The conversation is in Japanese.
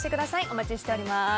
お待ちしております。